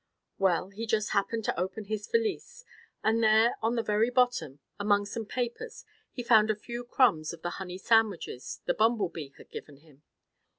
Well, he just happened to open his valise, and there on the very bottom, among some papers he found a few crumbs of the honey sandwiches the bumble bee had given him.